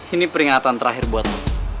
ini peringatan terakhir buat